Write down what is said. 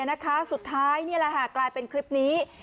ให้รับการสุดท้ายนี่แหละฮะกลายเป็นคลิปนี้